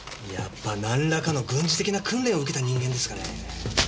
やっぱなんらかの軍事的な訓練を受けた人間ですかね。